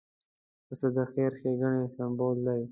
پسه د خیر ښېګڼې سمبول دی.